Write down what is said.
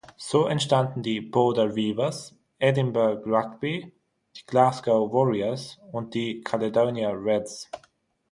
So entstanden die Border Reivers, Edinburgh Rugby, die Glasgow Warriors und die Caledonia Reds.